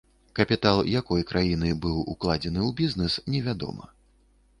Капітал якой краіны быў укладзены ў бізнэс, невядома.